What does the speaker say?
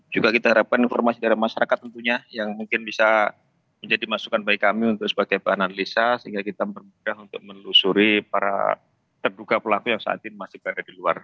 juga kita harapkan informasi dari masyarakat tentunya yang mungkin bisa menjadi masukan bagi kami untuk sebagai bahanalisa sehingga kita mempermudah untuk menelusuri para terduga pelaku yang saat ini masih berada di luar